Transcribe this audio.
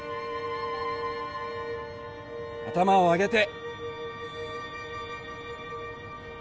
頭を上げて！